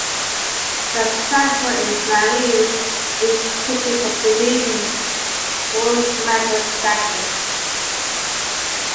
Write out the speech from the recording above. The sample in "Marines" is taken from the movie "Full Metal Jacket".